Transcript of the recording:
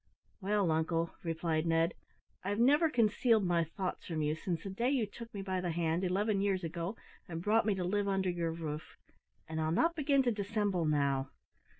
"Well, uncle," replied Ned, "I've never concealed my thoughts from you since the day you took me by the hand, eleven years ago, and brought me to live under your roof; and I'll not begin to dissemble now.